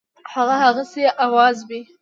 هغه هسي آوازې وي.